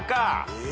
え？